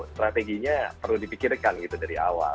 strateginya perlu dipikirkan gitu dari awal